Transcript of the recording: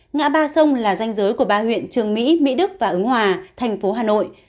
ngã ba sông là danh giới của ba huyện trường mỹ mỹ đức và ứng hòa thành phố hà nội